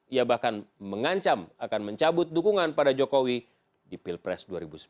ia bahkan mengancam akan mencabut dukungan pada jokowi di pilpres dua ribu sembilan belas